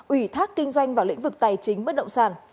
ủy thác kinh doanh vào lĩnh vực tài chính bất động sản